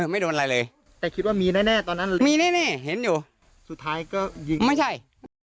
ไม่ใช่